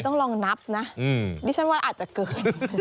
ต้องลองนับนะดิฉันว่าอาจจะเกิน